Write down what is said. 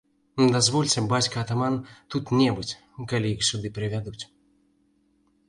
Дазвольце, бацька атаман, тут не быць, калі сюды іх прывядуць!